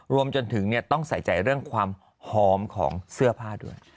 รวมถึงต้องใส่ใจเรื่องความหอมของเสื้อผ้าด้วย